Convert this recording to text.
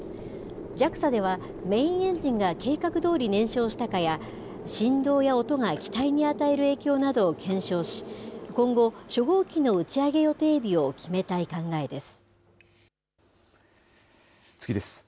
ＪＡＸＡではメインエンジンが計画どおり燃焼したかや、振動や音が機体に与える影響などを検証し、今後、初号機の打ち上次です。